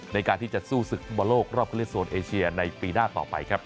ในการที่จะสู้ศึกฟุตบอลโลกรอบเข้าเลือกโซนเอเชียในปีหน้าต่อไปครับ